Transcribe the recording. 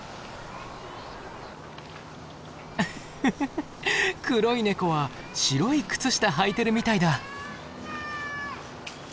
フフフ黒いネコは白い靴下はいてるみたいだ。